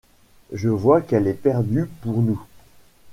Je vois qu’elle est perdue pour nous…